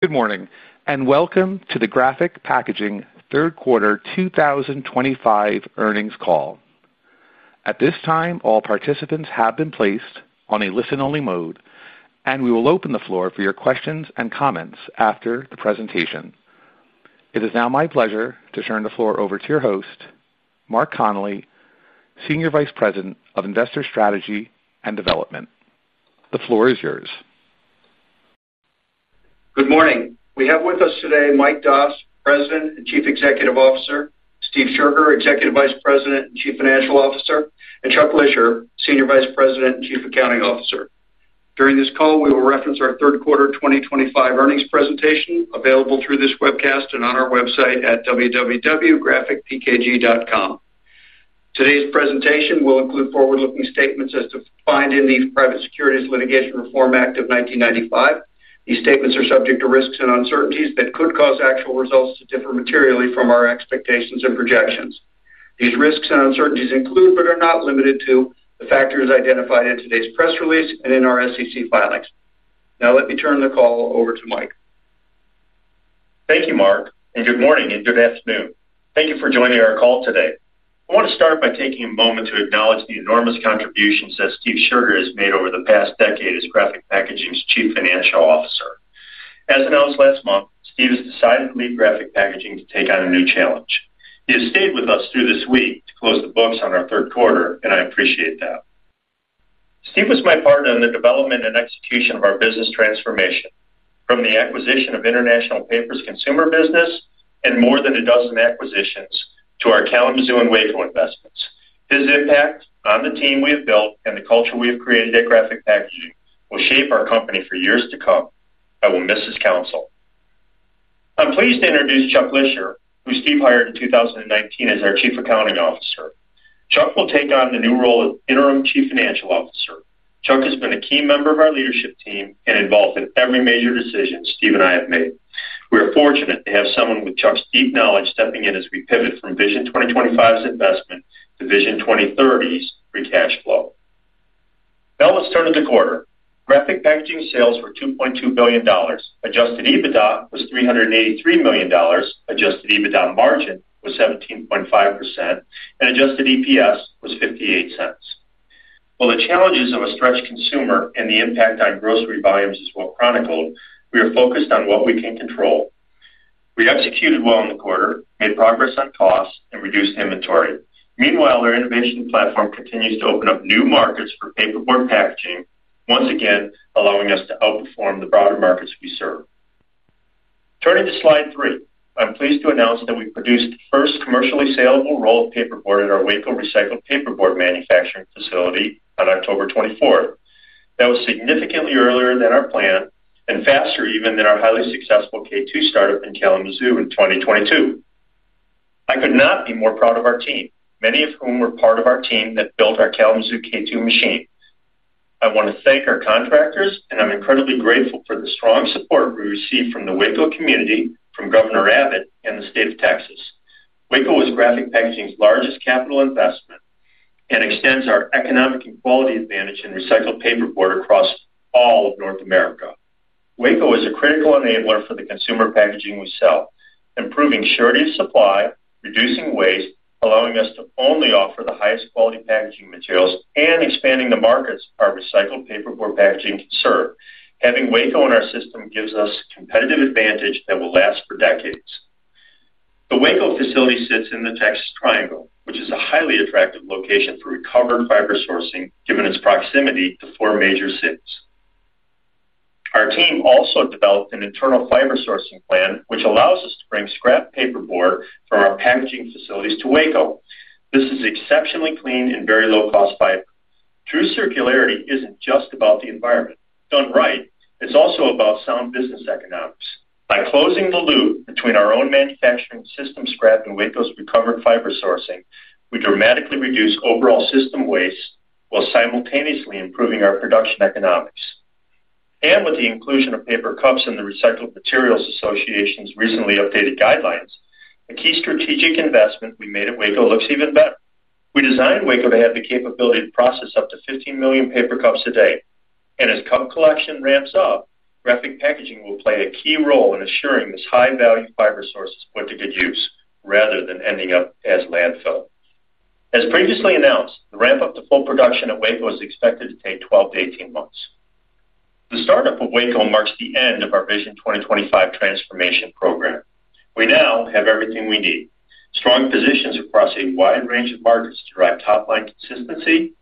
Good morning and welcome to the Graphic Packaging Third Quarter 2025 earnings call. At this time, all participants have been placed on a listen-only mode, and we will open the floor for your questions and comments after the presentation. It is now my pleasure to turn the floor over to your host, Mark Connelly, Senior Vice President of Investor Strategy and Development. The floor is yours. Good morning. We have with us today Mike Doss, President and Chief Executive Officer, Steve Scherger, Executive Vice President and Chief Financial Officer, and Chuck Leisher, Senior Vice President and Chief Accounting Officer. During this call, we will reference our Quarter 2025 earnings presentation available through this webcast and on our website at www.graphicpkg.com. Today's presentation will include forward-looking statements as defined in the Private Securities Litigation Reform Act of 1995. These statements are subject to risks and uncertainties that could cause actual results to differ materially from our expectations and projections. These risks and uncertainties include, but are not limited to, the factors identified in today's press release and in our SEC filings. Now, let me turn the call over to Mike. Thank you, Mark, and good morning and good afternoon. Thank you for joining our call today. I want to start by taking a moment to acknowledge the enormous contributions that Steve Scherger has made over the past decade as Graphic Packaging's Chief Financial Officer. As announced last month, Steve has decided to leave Graphic Packaging to take on a new challenge. He has stayed with us through this week to close the books on our third quarter, and I appreciate that. Steve was my partner in the development and execution of our business transformation, from the acquisition of International Paper's consumer business and more than a dozen acquisitions to our Kalamazoo and Waco investments. His impact on the team we have built and the culture we have created at Graphic Packaging will shape our company for years to come. I will miss his counsel. I'm pleased to introduce Chuck Leisher, who Steve hired in 2019 as our Chief Accounting Officer. Chuck will take on the new role of Interim Chief Financial Officer. Chuck has been a key member of our leadership team and involved in every major decision Steve and I have made. We are fortunate to have someone with Chuck's deep knowledge stepping in as we pivot from Vision 2025's investment to Vision 2030's free cash flow. Now, let's turn to the quarter. Graphic Packaging's sales were $2.2 billion. Adjusted EBITDA was $383 million. Adjusted EBITDA margin was 17.5%, and adjusted EPS was $0.58. While the challenges of a stretched consumer and the impact on grocery volumes is well-chronicled, we are focused on what we can control. We executed well in the quarter, made progress on costs, and reduced inventory. Meanwhile, our innovation platform continues to open up new markets for paperboard packaging, once again allowing us to outperform the broader markets we serve. Turning to slide 3, I'm pleased to announce that we produced the first commercially saleable roll of paperboard at our Waco Recycled Paperboard Manufacturing facility on October 24th. That was significantly earlier than our plan and faster even than our highly successful K2 startup in Kalamazoo in 2022. I could not be more proud of our team, many of whom were part of our team that built our Kalamazoo K2 machine. I want to thank our contractors, and I'm incredibly grateful for the strong support we received from the Waco community, from Governor Abbott, and the state of Texas. Waco was Graphic Packaging's largest capital investment and extends our economic and quality advantage in recycled paperboard across all of North America. Waco is a critical enabler for the consumer packaging we sell, improving surety of supply, reducing waste, allowing us to only offer the highest quality packaging materials, and expanding the markets our recycled paperboard packaging can serve. Having Waco in our system gives us a competitive advantage that will last for decades. The Waco facility sits in the Texas Triangle, which is a highly attractive location for recovered fiber sourcing given its proximity to four major cities. Our team also developed an internal fiber sourcing plan, which allows us to bring scrap paperboard from our packaging facilities to Waco. This is exceptionally clean and very low-cost fiber. True circularity isn't just about the environment. Done right, it's also about sound business economics. By closing the loop between our own manufacturing system scrap and Waco's recovered fiber sourcing, we dramatically reduce overall system waste while simultaneously improving our production economics. And with the inclusion of paper cups and the Recycled Materials Association's recently updated guidelines, a key strategic investment we made at Waco looks even better. We designed Waco to have the capability to process up to 15 million paper cups a day. And as cup collection ramps up, Graphic Packaging will play a key role in assuring this high-value fiber source is put to good use rather than ending up as landfill. As previously announced, the ramp-up to full production at Waco is expected to take 12-18 months. The startup of Waco marks the end of our Vision 2025 transformation program. We now have everything we need: strong positions across a wide range of markets to drive top-line consistency,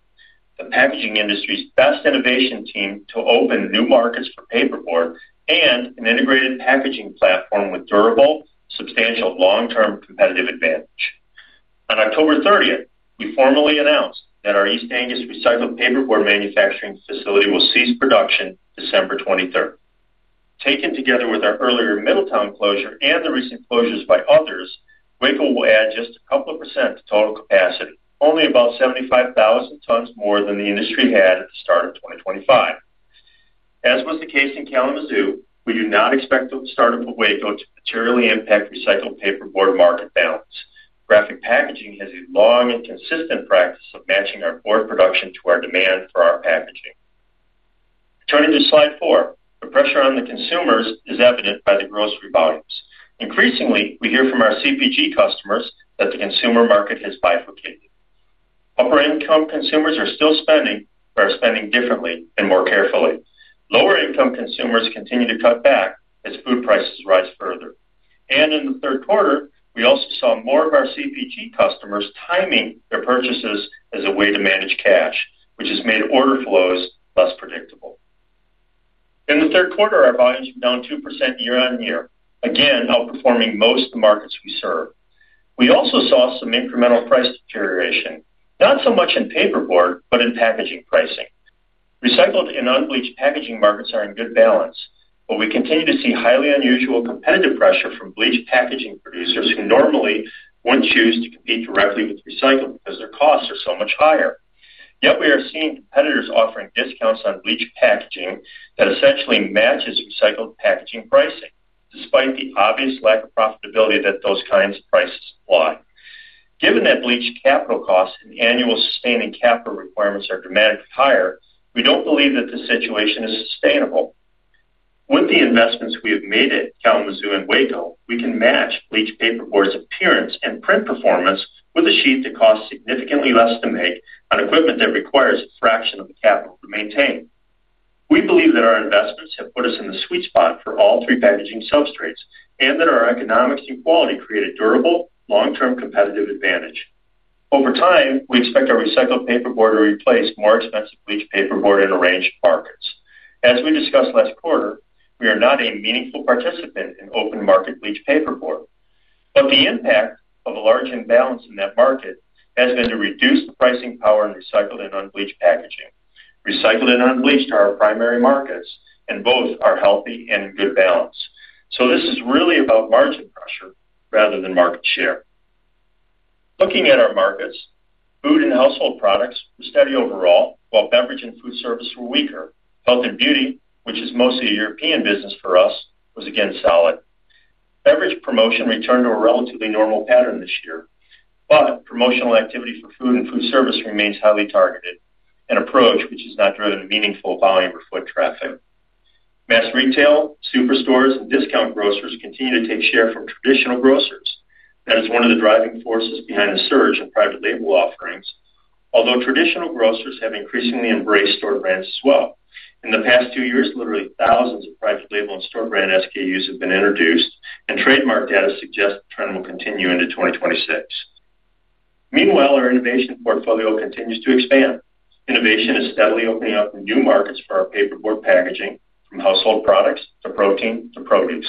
the packaging industry's best innovation team to open new markets for paperboard, and an integrated packaging platform with durable, substantial long-term competitive advantage. On October 30th, we formally announced that our East Angus Recycled Paperboard Manufacturing facility will cease production December 23rd. Taken together with our earlier Middletown closure and the recent closures by others, Waco will add just a couple of percent to total capacity, only about 75,000 tons more than the industry had at the start of 2025. As was the case in Kalamazoo, we do not expect the startup of Waco to materially impact recycled paperboard market balance. Graphic Packaging has a long and consistent practice of matching our board production to our demand for our packaging. Turning to slide 4, the pressure on the consumers is evident by the grocery volumes. Increasingly, we hear from our CPG customers that the consumer market has bifurcated. Upper-income consumers are still spending, but are spending differently and more carefully. Lower-income consumers continue to cut back as food prices rise further. And in the third quarter, we also saw more of our CPG customers timing their purchases as a way to manage cash, which has made order flows less predictable. In the third quarter, our volumes were down 2% year-on-year, again outperforming most of the markets we serve. We also saw some incremental price deterioration, not so much in paperboard, but in packaging pricing. Recycled and unbleached packaging markets are in good balance, but we continue to see highly unusual competitive pressure from bleached packaging producers who normally wouldn't choose to compete directly with recycled because their costs are so much higher. Yet we are seeing competitors offering discounts on bleached packaging that essentially matches recycled packaging pricing, despite the obvious lack of profitability that those kinds of prices imply. Given that bleached capital costs and annual sustaining capital requirements are dramatically higher, we don't believe that this situation is sustainable. With the investments we have made at Kalamazoo and Waco, we can match bleached paperboard's appearance and print performance with a sheet that costs significantly less to make on equipment that requires a fraction of the capital to maintain. We believe that our investments have put us in the sweet spot for all three packaging substrates and that our economics and quality create a durable, long-term competitive advantage. Over time, we expect our recycled paperboard to replace more expensive bleached paperboard in a range of markets. As we discussed last quarter, we are not a meaningful participant in open market bleached paperboard. But the impact of a large imbalance in that market has been to reduce the pricing power in recycled and unbleached packaging. Recycled and unbleached are our primary markets, and both are healthy and in good balance. So this is really about margin pressure rather than market share. Looking at our markets, food and household products were steady overall, while beverage and food service were weaker. Health and beauty, which is mostly a European business for us, was again solid. Beverage promotion returned to a relatively normal pattern this year, but promotional activity for food and food service remains highly targeted, an approach which is not driven by meaningful volume or foot traffic. Mass retail, superstores, and discount grocers continue to take share from traditional grocers. That is one of the driving forces behind a surge in private label offerings, although traditional grocers have increasingly embraced store brands as well. In the past 2 years, literally thousands of private label and store brand SKUs have been introduced, and trademark data suggests the trend will continue into 2026. Meanwhile, our innovation portfolio continues to expand. Innovation is steadily opening up new markets for our paperboard packaging, from household products to protein to produce.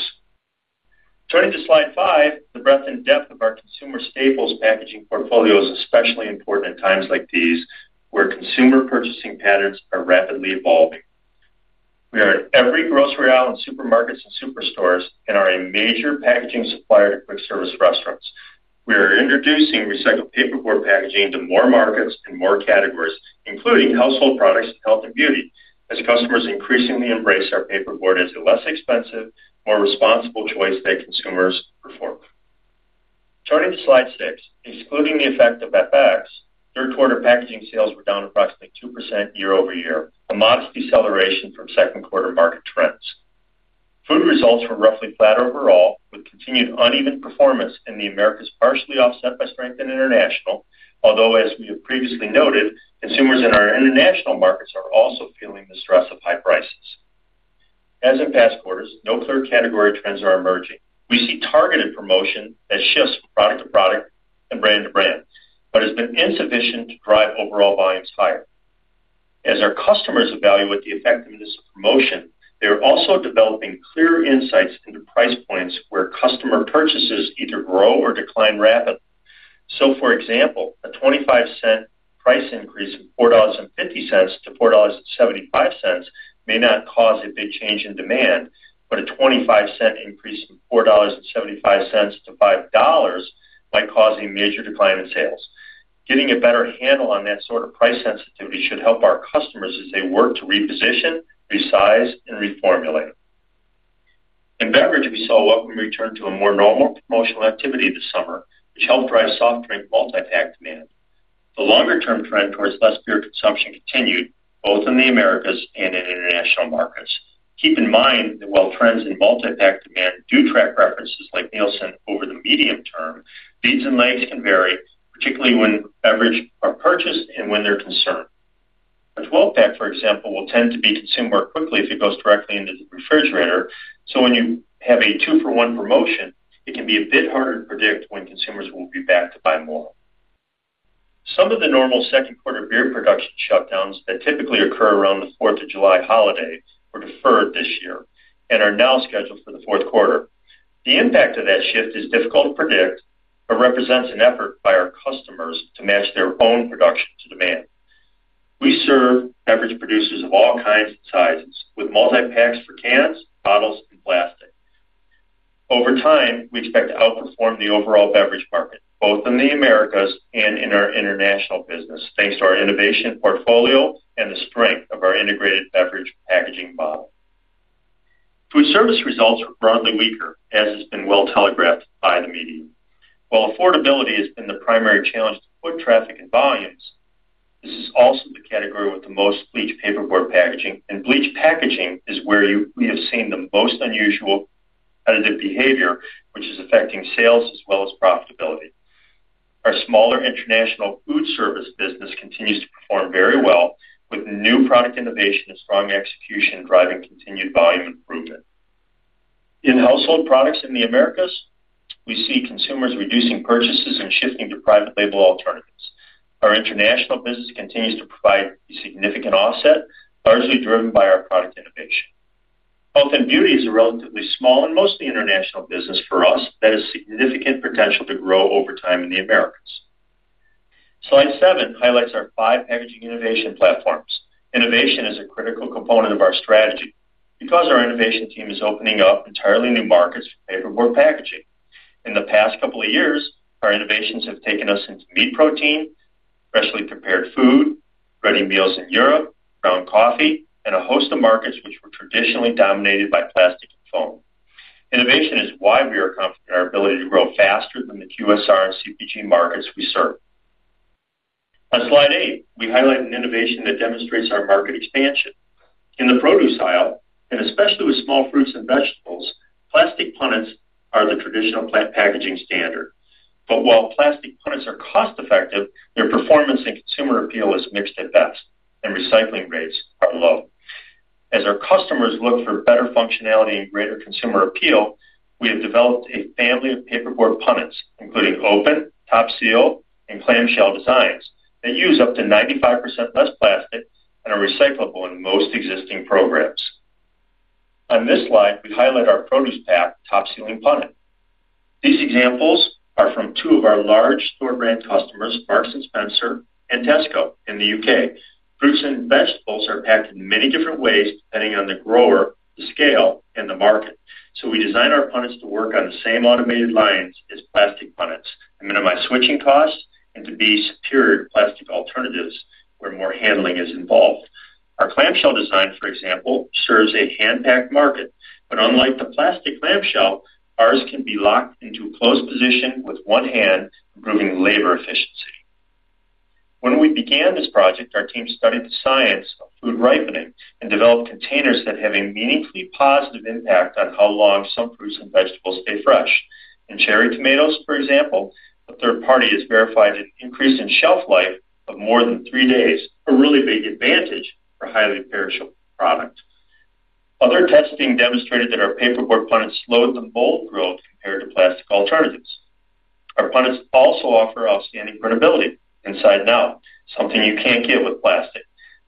Turning to slide 5, the breadth and depth of our consumer staples packaging portfolio is especially important in times like these where consumer purchasing patterns are rapidly evolving. We are at every grocery aisle in supermarkets and superstores and are a major packaging supplier to quick-service restaurants. We are introducing recycled paperboard packaging into more markets and more categories, including household products, health, and beauty, as customers increasingly embrace our paperboard as a less expensive, more responsible choice that consumers prefer. Turning to slide 6, excluding the effect of FX, third-quarter packaging sales were down approximately 2% year-over-year, a modest deceleration from second-quarter market trends. Food results were roughly flat overall, with continued uneven performance in the Americas partially offset by strength in international, although, as we have previously noted, consumers in our international markets are also feeling the stress of high prices. As in past quarters, no clear category trends are emerging. We see targeted promotion that shifts from product to product and brand to brand, but has been insufficient to drive overall volumes higher. As our customers evaluate the effectiveness of promotion, they are also developing clear insights into price points where customer purchases either grow or decline rapidly. So, for example, a 25-cent price increase from $4.50 to $4.75 may not cause a big change in demand, but a 25-cent increase from $4.75 to $5 might cause a major decline in sales. Getting a better handle on that sort of price sensitivity should help our customers as they work to reposition, resize, and reformulate. In beverage, we saw a welcome return to a more normal promotional activity this summer, which helped drive soft drink multi-pack demand. The longer-term trend towards less beer consumption continued, both in the Americas and in international markets. Keep in mind that while trends in multi-pack demand do track references like Nielsen over the medium term, leads and lags can vary, particularly when beverages are purchased and when they're consumed. A 12-pack, for example, will tend to be consumed more quickly if it goes directly into the refrigerator. So when you have a two-for-one promotion, it can be a bit harder to predict when consumers will be back to buy more. Some of the normal second-quarter beer production shutdowns that typically occur around the 4th of July holiday were deferred this year and are now scheduled for the fourth quarter. The impact of that shift is difficult to predict, but represents an effort by our customers to match their own production to demand. We serve beverage producers of all kinds and sizes, with multi-packs for cans, bottles, and plastic. Over time, we expect to outperform the overall beverage market, both in the Americas and in our international business, thanks to our innovation portfolio and the strength of our integrated beverage packaging model. Food service results were broadly weaker, as has been well-telegraphed by the media. While affordability has been the primary challenge to foot traffic and volumes, this is also the category with the most bleached paperboard packaging, and bleached packaging is where we have seen the most unusual adverse behavior, which is affecting sales as well as profitability. Our smaller international food service business continues to perform very well, with new product innovation and strong execution driving continued volume improvement. In household products in the Americas, we see consumers reducing purchases and shifting to private label alternatives. Our international business continues to provide a significant offset, largely driven by our product innovation. Health and beauty is a relatively small and mostly international business for us that has significant potential to grow over time in the Americas. Slide 7 highlights our five packaging innovation platforms. Innovation is a critical component of our strategy because our innovation team is opening up entirely new markets for paperboard packaging. In the past couple of years, our innovations have taken us into meat protein, freshly prepared food, ready meals in Europe, ground coffee, and a host of markets which were traditionally dominated by plastic and foam. Innovation is why we are confident in our ability to grow faster than the QSR and CPG markets we serve. On slide 8, we highlight an innovation that demonstrates our market expansion. In the produce aisle, and especially with small fruits and vegetables, plastic punnets are the traditional plastic packaging standard, but while plastic punnets are cost-effective, their performance and consumer appeal is mixed at best, and recycling rates are low. As our customers look for better functionality and greater consumer appeal, we have developed a family of paperboard punnets, including open, top-sealed, and clamshell designs that use up to 95% less plastic and are recyclable in most existing programs. On this slide, we highlight our produce pack top-sealing punnet. These examples are from two of our large store brand customers, Marks and Spencer and Tesco in the U.K. Fruits and vegetables are packed in many different ways depending on the grower, the scale, and the market, so we design our punnets to work on the same automated lines as plastic punnets and minimize switching costs and to be superior to plastic alternatives where more handling is involved. Our clamshell design, for example, serves a hand-packed market, but unlike the plastic clamshell, ours can be locked into a closed position with one hand, improving labor efficiency. When we began this project, our team studied the science of food ripening and developed containers that have a meaningfully positive impact on how long some fruits and vegetables stay fresh. In cherry tomatoes, for example, a third party has verified an increase in shelf life of more than 3 days, a really big advantage for highly perishable products. Other testing demonstrated that our paperboard punnets slowed the mold growth compared to plastic alternatives. Our punnets also offer outstanding credibility inside and out, something you can't get with plastic.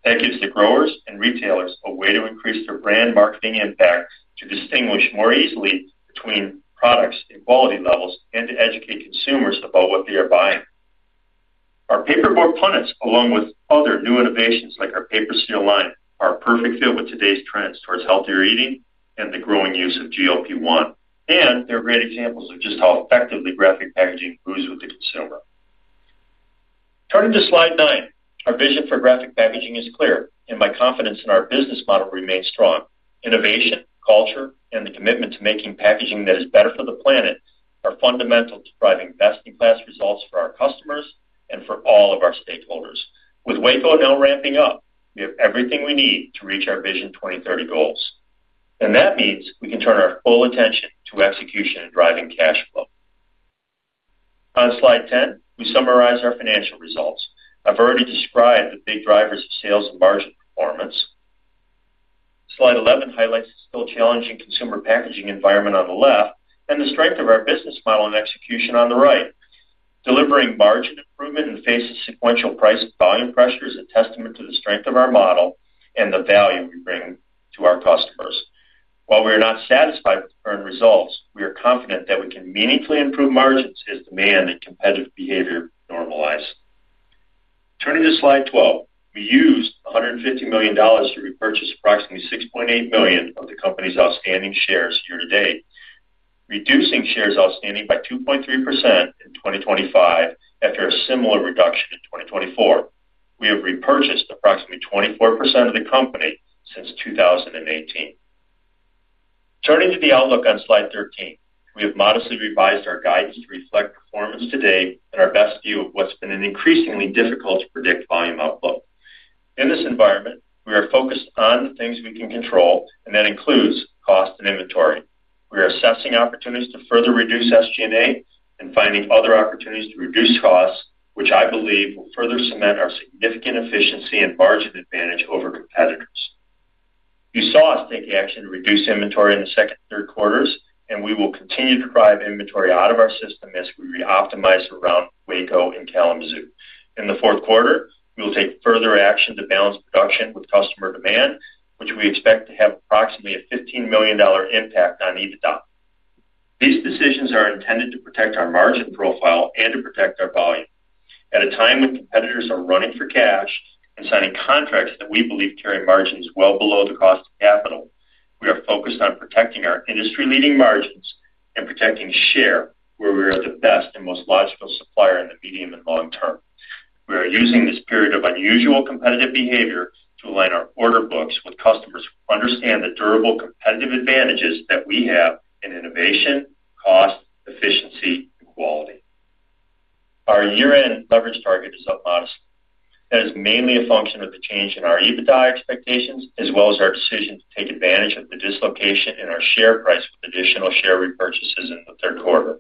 That gives the growers and retailers a way to increase their brand marketing impact to distinguish more easily between products and quality levels and to educate consumers about what they are buying. Our paperboard punnets, along with other new innovations like our paper seal line, are a perfect fit with today's trends towards healthier eating and the growing use of GLP-1, and they're great examples of just how effectively Graphic Packaging moves with the consumer. Turning to slide 9, our vision for Graphic Packaging is clear, and my confidence in our business model remains strong. Innovation, culture, and the commitment to making packaging that is better for the planet are fundamental to driving best-in-class results for our customers and for all of our stakeholders. With Waco now ramping up, we have everything we need to reach our Vision 2030 goals, and that means we can turn our full attention to execution and driving cash flow. On slide 10, we summarize our financial results. I've already described the big drivers of sales and margin performance. Slide 11 highlights the still challenging consumer packaging environment on the left and the strength of our business model and execution on the right. Delivering margin improvement in the face of sequential price and volume pressure is a testament to the strength of our model and the value we bring to our customers. While we are not satisfied with the current results, we are confident that we can meaningfully improve margins as demand and competitive behavior normalize. Turning to slide 12, we used $150 million to repurchase approximately 6.8 million of the company's outstanding shares year-to-date, reducing shares outstanding by 2.3% in 2025 after a similar reduction in 2024. We have repurchased approximately 24% of the company since 2018. Turning to the outlook on slide 13, we have modestly revised our guidance to reflect performance today and our best view of what's been an increasingly difficult-to-predict volume outlook. In this environment, we are focused on the things we can control, and that includes cost and inventory. We are assessing opportunities to further reduce SG&A and finding other opportunities to reduce costs, which I believe will further cement our significant efficiency and margin advantage over competitors. You saw us take action to reduce inventory in the second and third quarters, and we will continue to drive inventory out of our system as we reoptimize around Waco and Kalamazoo. In the fourth quarter, we will take further action to balance production with customer demand, which we expect to have approximately a $15 million impact on EBITDA. These decisions are intended to protect our margin profile and to protect our volume. At a time when competitors are running for cash and signing contracts that we believe carry margins well below the cost of capital, we are focused on protecting our industry-leading margins and protecting share where we are the best and most logical supplier in the medium and long term. We are using this period of unusual competitive behavior to align our order books with customers who understand the durable competitive advantages that we have in innovation, cost, efficiency, and quality. Our year-end leverage target is up modestly. That is mainly a function of the change in our EBITDA expectations, as well as our decision to take advantage of the dislocation in our share price with additional share repurchases in the third quarter.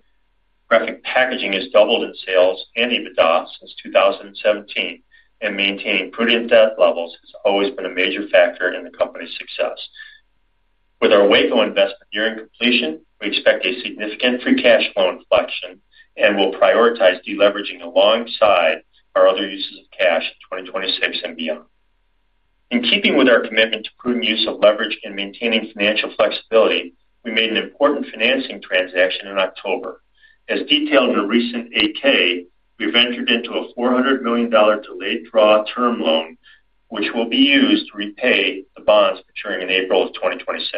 Graphic Packaging has doubled in sales and EBITDA since 2017, and maintaining prudent debt levels has always been a major factor in the company's success. With our Waco investment nearing completion, we expect a significant free cash flow inflection and will prioritize deleveraging alongside our other uses of cash in 2026 and beyond. In keeping with our commitment to prudent use of leverage and maintaining financial flexibility, we made an important financing transaction in October. As detailed in a recent 8-K, we've entered into a $400 million delayed draw term loan, which will be used to repay the bonds maturing in April of 2026.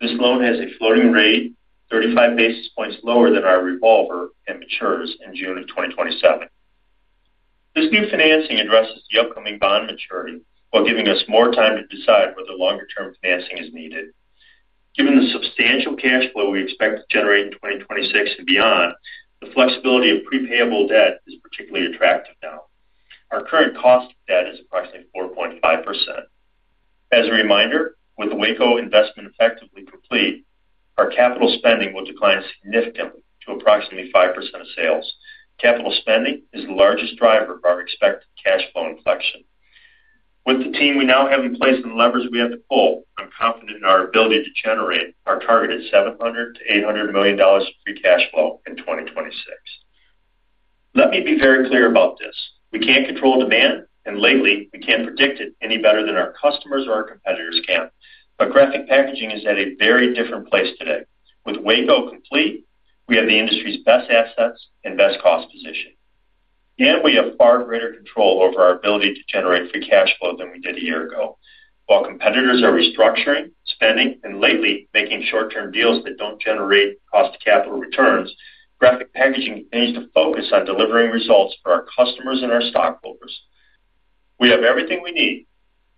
This loan has a floating rate 35 basis points lower than our revolver and matures in June of 2027. This new financing addresses the upcoming bond maturity while giving us more time to decide whether longer-term financing is needed. Given the substantial cash flow we expect to generate in 2026 and beyond, the flexibility of prepayable debt is particularly attractive now. Our current cost of debt is approximately 4.5%. As a reminder, with the Waco investment effectively complete, our capital spending will decline significantly to approximately 5% of sales. Capital spending is the largest driver of our expected cash flow inflection. With the team we now have in place and the levers we have to pull, I'm confident in our ability to generate our targeted $700 million-$800 million in free cash flow in 2026. Let me be very clear about this. We can't control demand, and lately, we can't predict it any better than our customers or our competitors can. But Graphic Packaging is at a very different place today. With Waco complete, we have the industry's best assets and best cost position. And we have far greater control over our ability to generate free cash flow than we did a year ago. While competitors are restructuring, spending, and lately making short-term deals that don't generate cost-to-capital returns, Graphic Packaging continues to focus on delivering results for our customers and our stockholders. We have everything we need,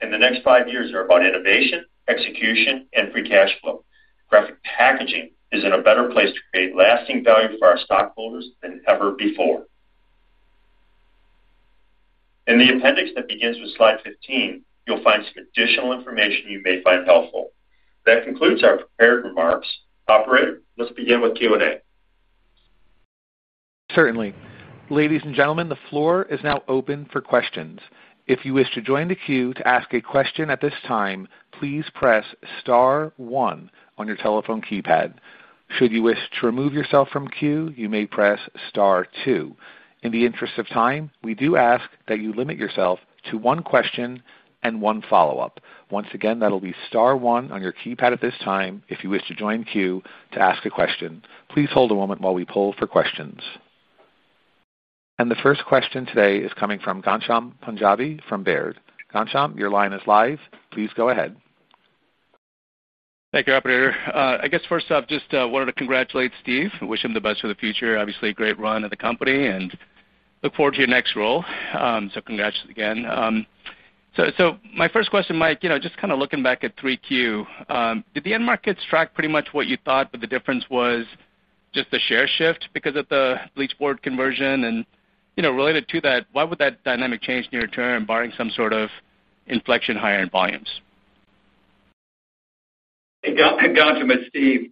and the next five years are about innovation, execution, and free cash flow. Graphic Packaging is in a better place to create lasting value for our stockholders than ever before. In the appendix that begins with slide 15, you'll find some additional information you may find helpful. That concludes our prepared remarks. Operator, let's begin with Q&A. Certainly. Ladies and gentlemen, the floor is now open for questions. If you wish to join the queue to ask a question at this time, please press star one on your telephone keypad. Should you wish to remove yourself from queue, you may press star two. In the interest of time, we do ask that you limit yourself to one question and one follow-up. Once again, that'll be star one on your keypad at this time if you wish to join queue to ask a question. Please hold a moment while we poll for questions. And the first question today is coming from Ghansham Panjabi from Baird. Ghansham, your line is live. Please go ahead. Thank you, Operator. I guess first off, just wanted to congratulate Steve and wish him the best for the future. Obviously, a great run at the company and look forward to your next role. So congrats again. So my first question, Mike, just kind of looking back at 3Q, did the end markets track pretty much what you thought, but the difference was just the share shift because of the bleached board conversion? And related to that, why would that dynamic change near-term barring some sort of inflection higher in volumes? Ghansham and Steve,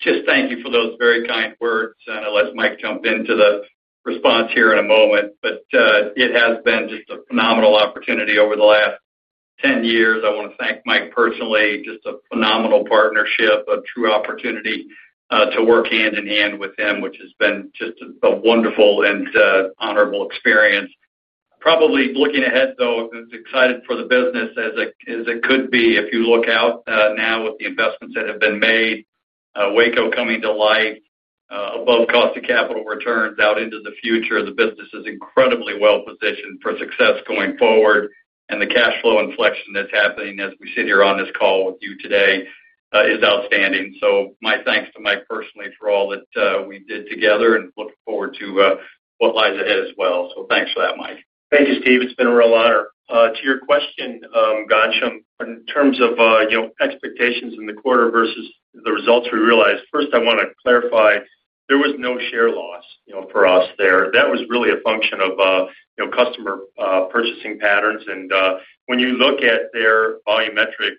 just thank you for those very kind words. And I'll let Mike jump into the response here in a moment. But it has been just a phenomenal opportunity over the last 10 years. I want to thank Mike personally. Just a phenomenal partnership, a true opportunity to work hand in hand with him, which has been just a wonderful and honorable experience. Probably looking ahead, though, I'm excited for the business as it could be. If you look out now with the investments that have been made, Waco coming to life, above cost-to-capital returns out into the future, the business is incredibly well-positioned for success going forward. And the cash flow inflection that's happening as we sit here on this call with you today is outstanding. So my thanks to Mike personally for all that we did together and looking forward to what lies ahead as well. So thanks for that, Mike. Thank you, Steve. It's been a real honor. To your question, Ghansham, in terms of expectations in the quarter versus the results we realized, first, I want to clarify, there was no share loss for us there. That was really a function of customer purchasing patterns. And when you look at their volumetric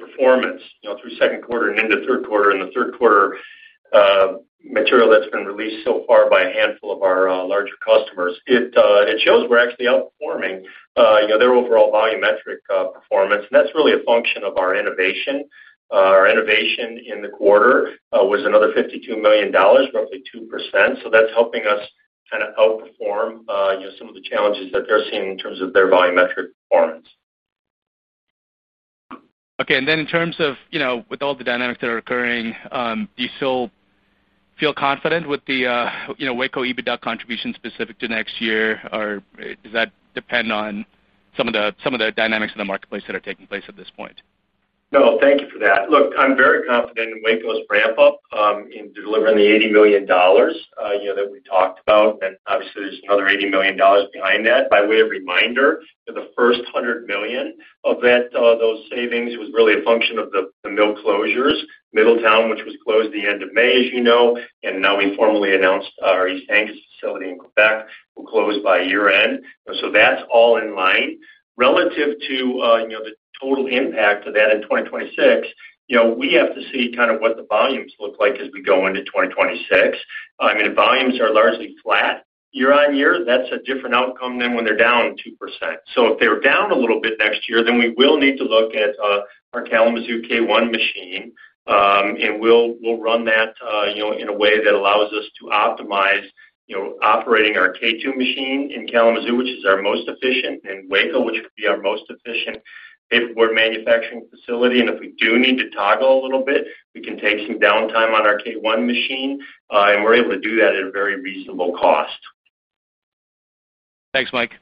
performance through second quarter and into third quarter and the third quarter, material that's been released so far by a handful of our larger customers, it shows we're actually outperforming their overall volumetric performance. And that's really a function of our innovation. Our innovation in the quarter was another $52 million, roughly 2%. So that's helping us kind of outperform some of the challenges that they're seeing in terms of their volumetric performance. Okay. And then in terms of with all the dynamics that are occurring, do you still feel confident with the Waco EBITDA contribution specific to next year, or does that depend on some of the dynamics in the marketplace that are taking place at this point? No, thank you for that. Look, I'm very confident in Waco's ramp-up in delivering the $80 million that we talked about. And obviously, there's another $80 million behind that. By way of reminder, the first $100 million of those savings was really a function of the mill closures, Middletown, which was closed at the end of May, as you know. And now we formally announced our East Angus facility in Quebec will close by year-end. So that's all in line. Relative to the total impact of that in 2026, we have to see kind of what the volumes look like as we go into 2026. I mean, if volumes are largely flat year-on-year, that's a different outcome than when they're down 2%. So if they're down a little bit next year, then we will need to look at our Kalamazoo K1 machine. And we'll run that in a way that allows us to optimize operating our K2 machine in Kalamazoo, which is our most efficient, and Waco, which would be our most efficient paperboard manufacturing facility. And if we do need to toggle a little bit, we can take some downtime on our K1 machine. And we're able to do that at a very reasonable cost. Thanks, Mike.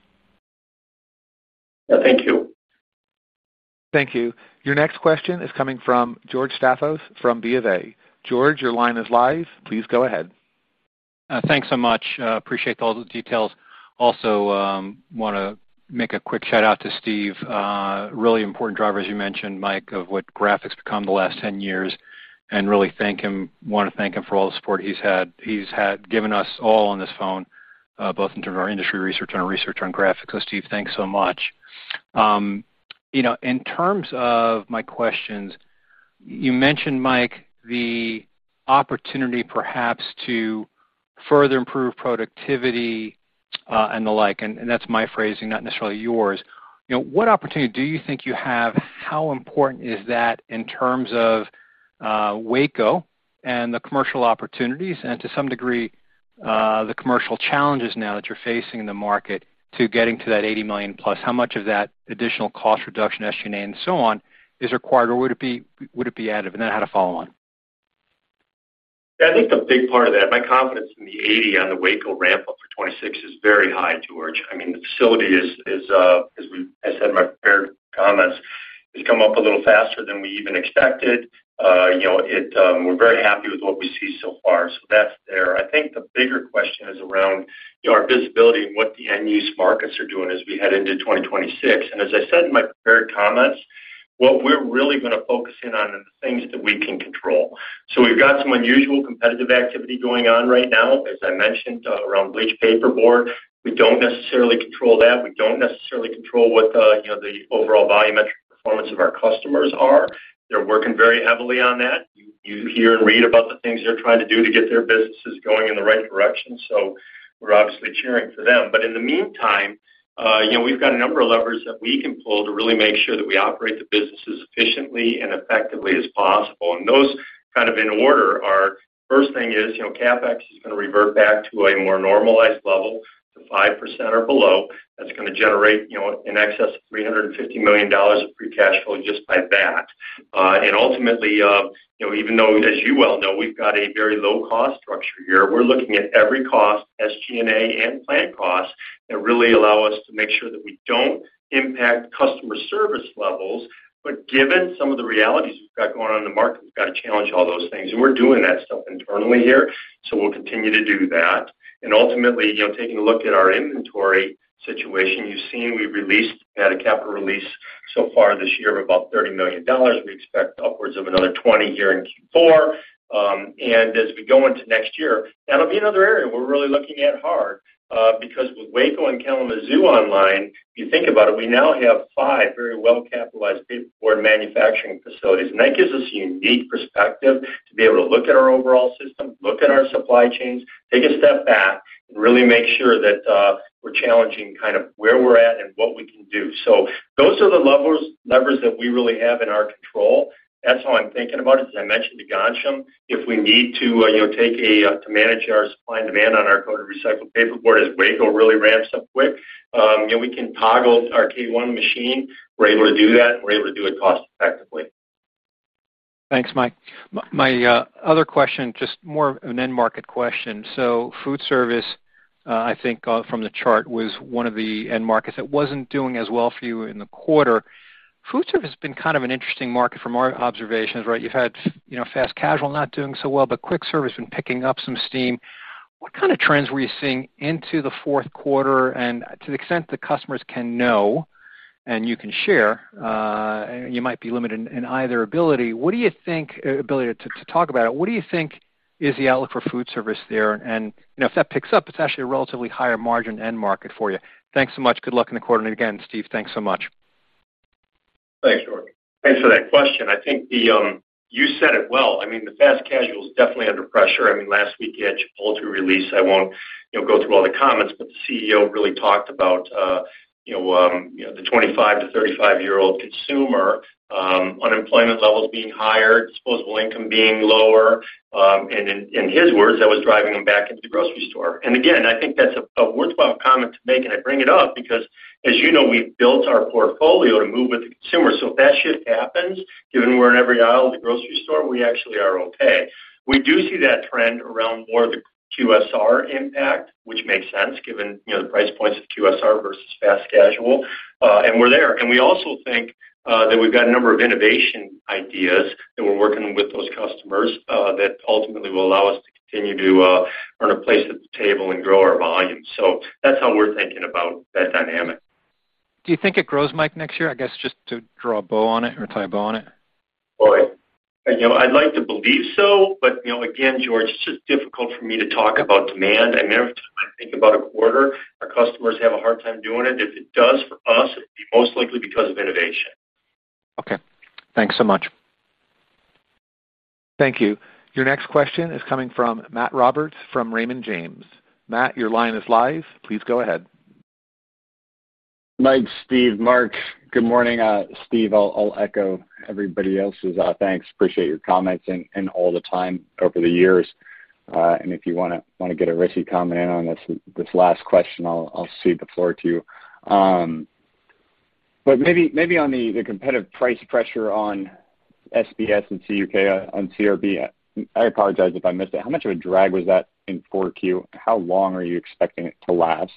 Thank you. Your next question is coming from George Staphos from BofA. George, your line is live. Please go ahead. Thanks so much. Appreciate all the details. Also, want to make a quick shout-out to Steve. Really important driver, as you mentioned, Mike, of what Graphic Packaging has become the last 10 years. And really want to thank him for all the support he's given us all on this phone, both in terms of our industry research and our research on Graphic Packaging. So Steve, thanks so much. In terms of my questions, you mentioned, Mike, the opportunity perhaps to. Further improve productivity and the like. And that's my phrasing, not necessarily yours. What opportunity do you think you have? How important is that in terms of Waco and the commercial opportunities and to some degree, the commercial challenges now that you're facing in the market to getting to that $80 million plus? How much of that additional cost reduction, SG&A, and so on is required, or would it be additive? And then how to follow on. Yeah, I think a big part of that, my confidence in the $80 on the Waco ramp-up for 2026 is very high, George. I mean, the facility, as I said in my prepared comments, has come up a little faster than we even expected. We're very happy with what we see so far. So that's there. I think the bigger question is around our visibility and what the end-use markets are doing as we head into 2026. And as I said in my prepared comments, what we're really going to focus in on are the things that we can control. So we've got some unusual competitive activity going on right now, as I mentioned, around bleached paperboard. We don't necessarily control that. We don't necessarily control what the overall volumetric performance of our customers are. They're working very heavily on that. You hear and read about the things they're trying to do to get their businesses going in the right direction. So we're obviously cheering for them. But in the meantime, we've got a number of levers that we can pull to really make sure that we operate the business as efficiently and effectively as possible. And those kind of in order, our first thing is CapEx is going to revert back to a more normalized level to 5% or below. That's going to generate in excess of $350 million of free cash flow just by that. And ultimately, even though, as you well know, we've got a very low-cost structure here, we're looking at every cost, SG&A and plant costs, that really allow us to make sure that we don't impact customer service levels. But given some of the realities we've got going on in the market, we've got to challenge all those things. And we're doing that stuff internally here. So we'll continue to do that. And ultimately, taking a look at our inventory situation, you've seen we've had a capital release so far this year of about $30 million. We expect upwards of another $20 million here in Q4. And as we go into next year, that'll be another area we're really looking at hard. Because with Waco and Kalamazoo online, if you think about it, we now have five very well-capitalized paperboard manufacturing facilities. And that gives us a unique perspective to be able to look at our overall system, look at our supply chains, take a step back, and really make sure that we're challenging kind of where we're at and what we can do. So those are the levers that we really have in our control. That's how I'm thinking about it. As I mentioned to Ghansham, if we need to take action to manage our supply and demand on our coated recycled paperboard, as Waco really ramps up quick, we can toggle our K1 machine. We're able to do that, and we're able to do it cost-effectively. Thanks, Mike. My other question, just more of an end market question. So food service, I think from the chart, was one of the end markets that wasn't doing as well for you in the quarter. Food service has been kind of an interesting market from our observations, right? You've had fast casual not doing so well, but quick service has been picking up some steam. What kind of trends were you seeing into the fourth quarter? And to the extent that customers can now know and you can share. You might be limited in either ability. What do you think ability to talk about it? What do you think is the outlook for food service there? And if that picks up, it's actually a relatively higher margin end market for you. Thanks so much. Good luck in the quarter. And again, Steve, thanks so much. Thanks, George. Thanks for that question. I think you said it well. I mean, the fast casual is definitely under pressure. I mean, last week, you had Chipotle release. I won't go through all the comments, but the CEO really talked about the 25- to 35-year-old consumer. Unemployment levels being higher, disposable income being lower. And in his words, that was driving them back into the grocery store. And again, I think that's a worthwhile comment to make. And I bring it up because, as you know, we've built our portfolio to move with the consumer. So if that shift happens, given we're in every aisle of the grocery store, we actually are okay. We do see that trend around more of the QSR impact, which makes sense given the price points of QSR versus fast casual. And we're there. And we also think that we've got a number of innovation ideas that we're working with those customers that ultimately will allow us to continue to earn a place at the table and grow our volume. So that's how we're thinking about that dynamic. Do you think it grows, Mike, next year? I guess just to draw a bow on it or tie a bow on it. Boy. I'd like to believe so. But again, George, it's just difficult for me to talk about demand. And every time I think about a quarter, our customers have a hard time doing it. If it does for us, it would be most likely because of innovation. Okay. Thanks so much. Thank you. Your next question is coming from Matt Roberts from Raymond James. Matt, your line is live. Please go ahead. Mike, Steve, Mark, good morning. Steve, I'll echo everybody else's. Thanks. Appreciate your comments and all the time over the years. And if you want to get a risky comment in on this last question, I'll cede the floor to you. But maybe on the competitive price pressure on SBS and CUK on CRB, I apologize if I missed it. How much of a drag was that in 4Q? How long are you expecting it to last?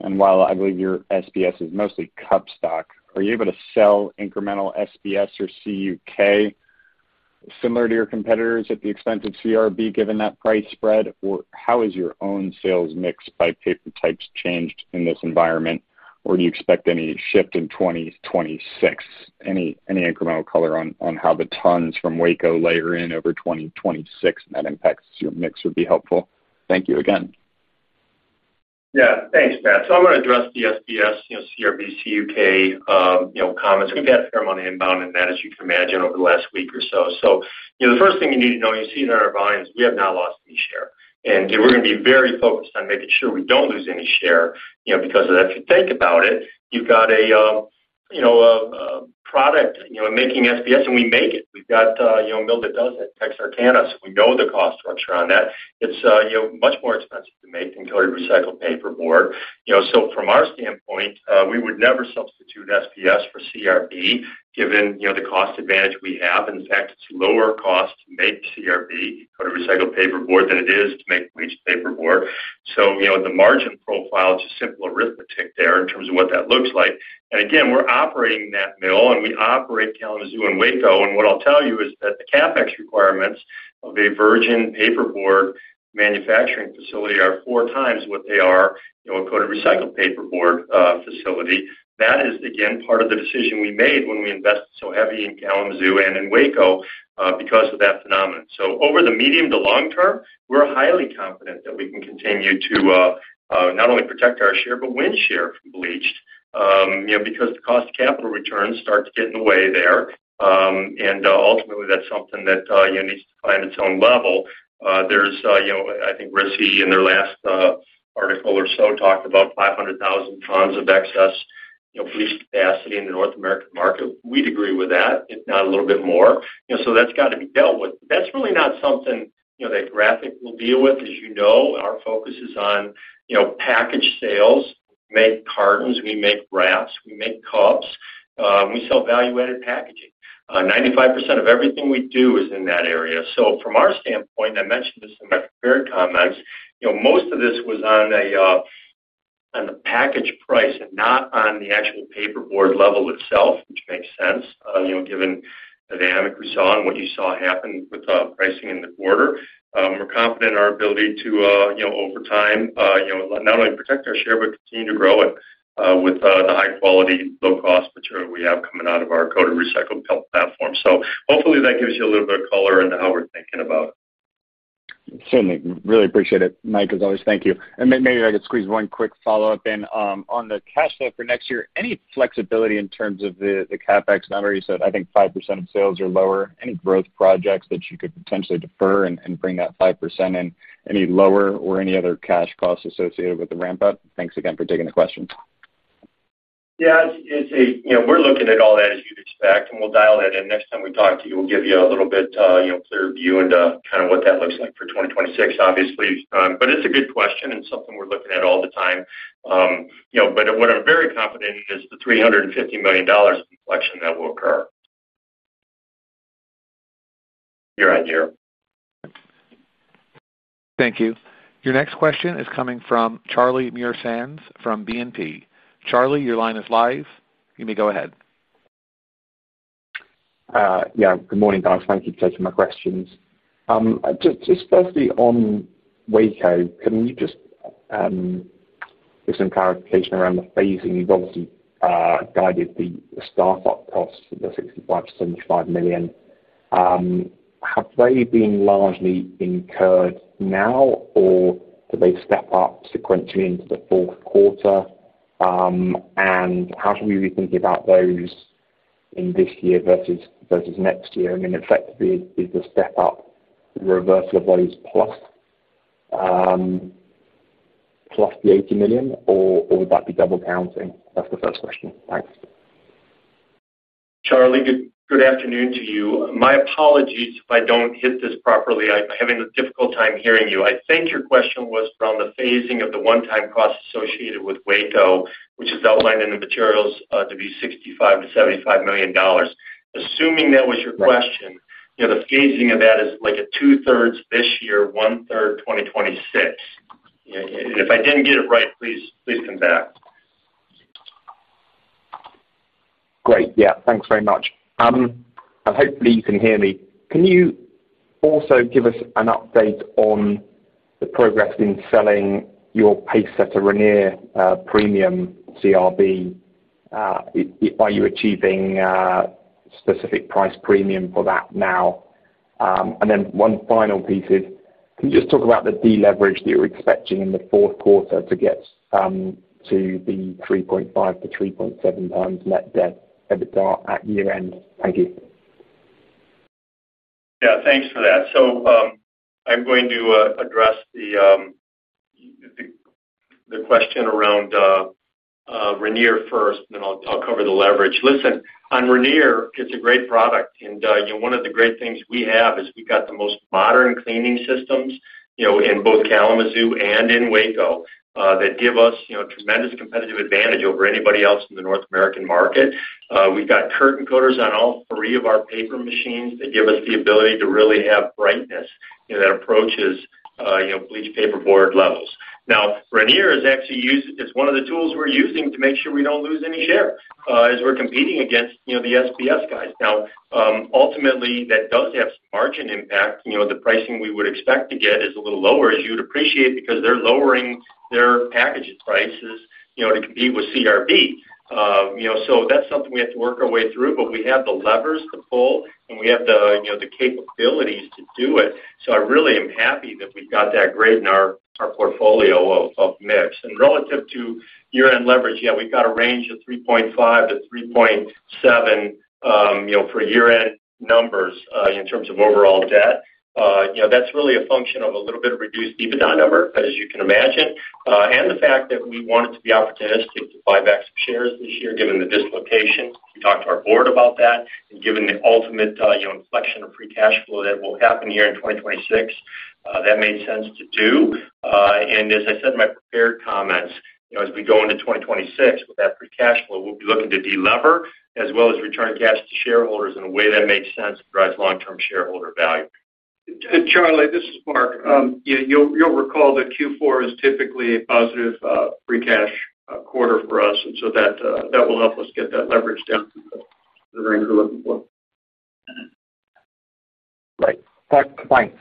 And while I believe your SBS is mostly cup stock, are you able to sell incremental SBS or CUK similar to your competitors at the expense of CRB given that price spread? Or how has your own sales mix by paper types changed in this environment? Or do you expect any shift in 2026? Any incremental color on how the tons from Waco layer in over 2026 and that impacts your mix would be helpful. Thank you again. Yeah. Thanks, Matt. So I'm going to address the SBS, CRB, CUK comments. We've had fair amount of inbound in that, as you can imagine, over the last week or so. So the first thing you need to know when you see it on our volume is we have not lost any share. And we're going to be very focused on making sure we don't lose any share because if you think about it, you've got a product making SBS, and we make it. We've got a mill that does it, Texarkana. So we know the cost structure on that. It's much more expensive to make than coated recycled paperboard. So from our standpoint, we would never substitute SBS for CRB given the cost advantage we have. In fact, it's lower cost to make CRB, Coated Recycled Paperboard, than it is to make bleached paperboard. So the margin profile is just simple arithmetic there in terms of what that looks like. And again, we're operating that mill, and we operate Kalamazoo and Waco. And what I'll tell you is that the CapEx requirements of a virgin paperboard manufacturing facility are 4x what they are a coated recycled paperboard facility. That is, again, part of the decision we made when we invested so heavy in Kalamazoo and in Waco because of that phenomenon. So over the medium to long term, we're highly confident that we can continue to not only protect our share but win share from bleached because the cost capital returns start to get in the way there. And ultimately, that's something that needs to find its own level. There's, I think, RISI in their last article or so talked about 500,000 tons of excess bleached capacity in the North American market. We'd agree with that, if not a little bit more. So that's got to be dealt with. But that's really not something that Graphic will deal with. As you know, our focus is on package sales. We make cartons. We make wraps. We make cups. We sell value-added packaging. 95% of everything we do is in that area. So from our standpoint, I mentioned this in my prepared comments, most of this was on the package price and not on the actual paperboard level itself, which makes sense given the dynamic we saw and what you saw happen with pricing in the quarter. We're confident in our ability to, over time, not only protect our share but continue to grow it with the high-quality, low-cost material we have coming out of our coated recycled platform. So hopefully, that gives you a little bit of color into how we're thinking about it. Certainly. Really appreciate it. Mike, as always, thank you. And maybe I could squeeze one quick follow-up in on the cash flow for next year. Any flexibility in terms of the CapEx? I know you said, I think, 5% of sales are lower. Any growth projects that you could potentially defer and bring that 5% in? Any lower or any other cash costs associated with the ramp-up? Thanks again for taking the question. Yeah. We're looking at all that, as you'd expect. And we'll dial that in. Next time we talk to you, we'll give you a little bit clearer view into kind of what that looks like for 2026, obviously. But it's a good question and something we're looking at all the time. But what I'm very confident in is the $350 million inflection that will occur year-on-year. Thank you. Your next question is coming from Charlie Muir-Sands from BNP. Charlie, your line is live. You may go ahead. Yeah. Good morning, Don. Thank you for taking my questions. Just firstly on Waco, can you just give some clarification around the phasing? You've obviously guided the start-up costs of the $65 million-$75 million. Have they been largely incurred now, or do they step up sequentially into the fourth quarter? And how should we be thinking about those in this year versus next year? I mean, effectively, is the step-up reversal of those plus the $80 million, or would that be double counting? That's the first question. Thanks. Charlie, good afternoon to you. My apologies if I don't hit this properly. I'm having a difficult time hearing you. I think your question was around the phasing of the one-time cost associated with Waco, which is outlined in the materials to be $65 million-$75 million. Assuming that was your question, the phasing of that is like a two-thirds this year, one-third 2026. And if I didn't get it right, please come back. Great. Yeah. Thanks very much. And hopefully, you can hear me. Can you also give us an update on the progress in selling your Pacesetter Rainier Premium CRB? Are you achieving specific price premium for that now? And then one final piece is, can you just talk about the deleverage that you're expecting in the fourth quarter to get to the 3.5x-3.7x net-to-debt at year-end? Thank you. Yeah. Thanks for that. So I'm going to address the question around Rainier first, and then I'll cover the leverage. Listen, on Rainier, it's a great product. And one of the great things we have is we've got the most modern cleaning systems in both Kalamazoo and in Waco that give us tremendous competitive advantage over anybody else in the North American market. We've got curtain coaters on all three of our paper machines that give us the ability to really have brightness that approaches bleached paperboard levels. Now, Rainier is actually one of the tools we're using to make sure we don't lose any share as we're competing against the SBS guys. Now, ultimately, that does have some margin impact. The pricing we would expect to get is a little lower, as you'd appreciate, because they're lowering their packaging prices to compete with CRB. So that's something we have to work our way through. But we have the levers to pull, and we have the capabilities to do it. So I really am happy that we've got that grade in our portfolio of mix. And relative to year-end leverage, yeah, we've got a range of 3.5x-3.7x for year-end numbers in terms of overall debt. That's really a function of a little bit of reduced EBITDA number, as you can imagine. And the fact that we wanted to be opportunistic to buy back some shares this year given the dislocation. We talked to our board about that. And given the ultimate inflection of free cash flow that will happen here in 2026, that made sense to do. As I said in my prepared comments, as we go into 2026 with that free cash flow, we'll be looking to delever as well as return cash to shareholders in a way that makes sense and drives long-term shareholder value. Charlie, this is Mark. You'll recall that Q4 is typically a positive free cash quarter for us. And so that will help us get that leverage down to the range we're looking for. Right. Thanks.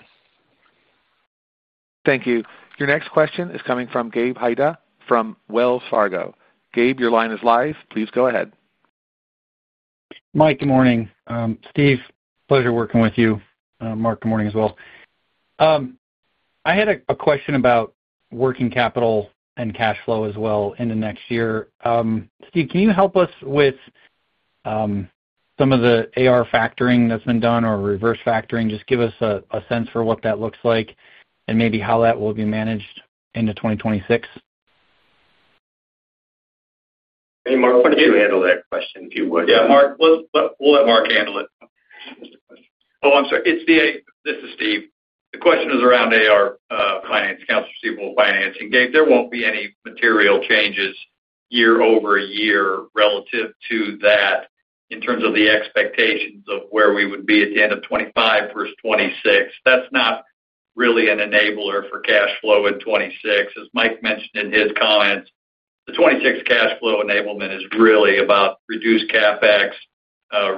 Thank you. Your next question is coming from Gabe Hajde from Wells Fargo. Gabe, your line is live. Please go ahead. Mike, good morning. Steve, pleasure working with you. Mark, good morning as well. I had a question about working capital and cash flow as well in the next year. Steve, can you help us with some of the AR factoring that's been done or reverse factoring? Just give us a sense for what that looks like and maybe how that will be managed into 2026. Hey, Mark, why don't you handle that question, if you would? Yeah. Mark, we'll let Mark handle it. Oh, I'm sorry. This is Steve. The question is around AR finance, accounts receivable financing. Gabe, there won't be any material changes year-over-year relative to that in terms of the expectations of where we would be at the end of 2025 versus 2026. That's not really an enabler for cash flow in 2026. As Mike mentioned in his comments, the 2026 cash flow enablement is really about reduced CapEx,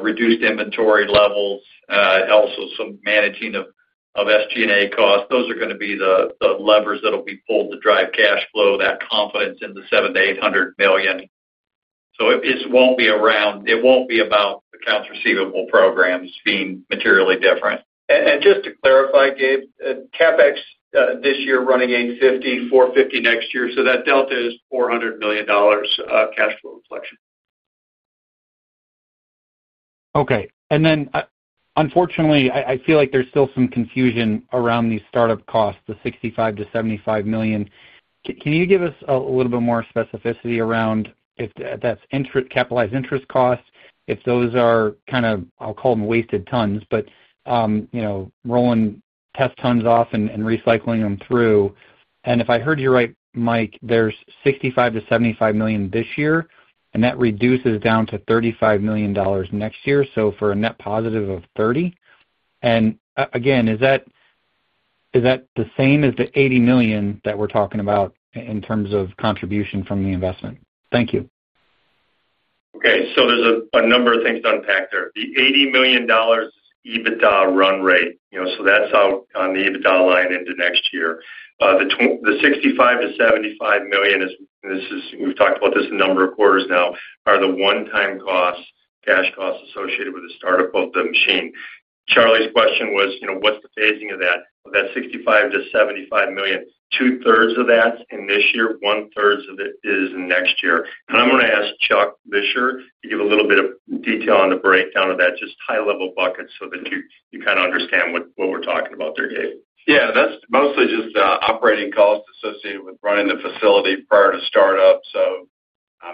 reduced inventory levels, also some managing of SG&A costs. Those are going to be the levers that will be pulled to drive cash flow, that confidence in the $700 million-$800 million. So it won't be about the accounts receivable programs being materially different. And just to clarify, Gabe, CapEx this year running $850 million, $450 million next year. So that delta is $400 million. Cash flow inflection. Okay. And then, unfortunately, I feel like there's still some confusion around these start-up costs, the $65 million-$75 million. Can you give us a little bit more specificity around that's capitalized interest costs, if those are kind of, I'll call them wasted tons, but rolling test tons off and recycling them through? And if I heard you right, Mike, there's $65 million-$75 million this year, and that reduces down to $35 million next year. So for a net positive of $30 million. And again, is that the same as the $80 million that we're talking about in terms of contribution from the investment? Thank you. Okay. So there's a number of things to unpack there. The $80 million EBITDA run rate, so that's out on the EBITDA line into next year. The $65 million-$75 million, we've talked about this a number of quarters now, are the one-time cash costs associated with the start-up of the machine. Charlie's question was, what's the phasing of that? Of that $65 million-$75 million, two-thirds of that's in this year, one-third of it is in next year. And I'm going to ask Chuck Leisher to give a little bit of detail on the breakdown of that, just high-level buckets so that you kind of understand what we're talking about there, Gabe. Yeah. That's mostly just operating costs associated with running the facility prior to start-up. So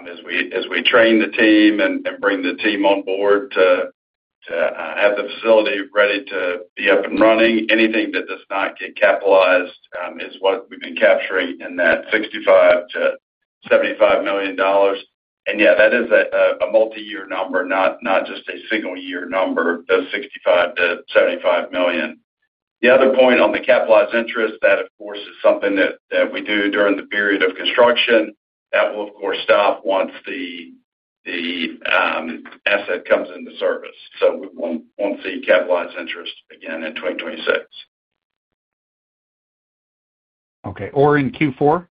as we train the team and bring the team on board to. Have the facility ready to be up and running, anything that does not get capitalized is what we've been capturing in that $65 million-$75 million. And yeah, that is a multi-year number, not just a single-year number, the $65 million-$75 million. The other point on the capitalized interest, that, of course, is something that we do during the period of construction. That will, of course, stop once the. Asset comes into service. So we won't see capitalized interest again in 2026. Okay. Or in Q4?